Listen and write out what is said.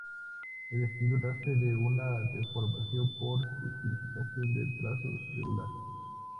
El estilo nace de una "deformación" por simplificación del trazo regular.